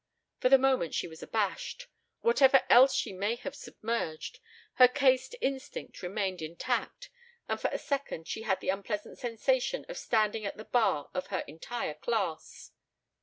For the moment she was abashed; whatever else she may have submerged, her caste instinct remained intact and for a second she had the unpleasant sensation of standing at the bar of her entire class.